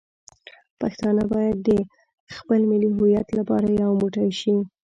پښتانه باید د خپل ملي هویت لپاره یو موټی شي.